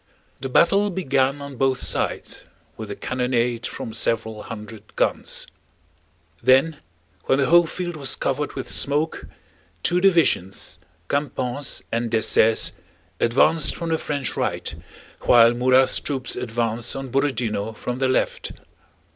The battle began on both sides with a cannonade from several hundred guns. Then when the whole field was covered with smoke, two divisions, Campan's and Dessaix's, advanced from the French right, while Murat's troops advanced on Borodinó from their left.